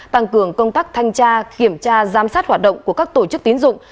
tăng cường công tác thanh tra kiểm tra giám sát hoạt động của các tổ chức tín dụng